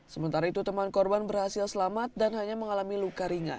sementara itu teman korban berhasil selamat dan hanya mengalami luka ringan